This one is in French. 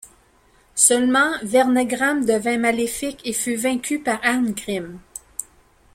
Seulement, Vernegram devint maléfique et fut vaincue par Arngrimm.